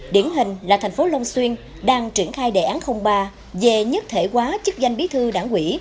điển hình là thành phố long xuyên đang triển khai đề án ba về nhất thể quá chức danh bí thư đảng quỹ